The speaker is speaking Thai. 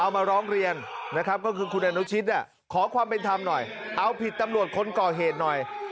วันนี้เราพาลูกไปตรวจคนก่อเหตุหน่อย